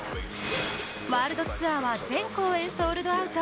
ワールドツアーは全公演ソールドアウト。